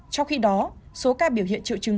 trong khi đó số ca biểu hiện triệu chứng